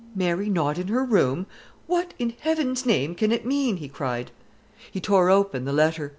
"Mary not in her room! What, in Heaven's name, can it mean?" he cried. He tore open the letter.